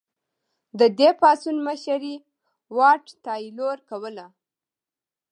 د دې پاڅون مشري واټ تایلور کوله.